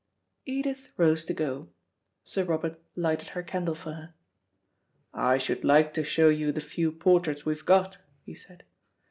Edith rose to go. Sir Robert lighted her candle for her. "I should like to show you the few portraits we've got," he said.